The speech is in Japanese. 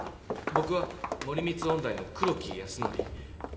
僕は森光音大の黒木泰則。